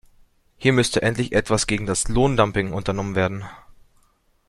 Hier müsste endlich etwas gegen das Lohndumping unternommen werden.